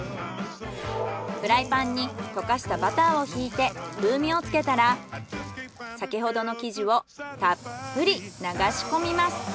フライパンに溶かしたバターをひいて風味をつけたら先ほどの生地をたっぷり流し込みます。